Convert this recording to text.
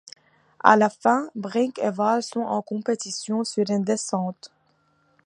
À la fin, Brink et Val sont en compétition sur une descente.